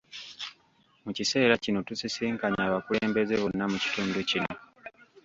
Mu kiseera kino tusisinkanye abakulembeze bonna mu kitundu kino.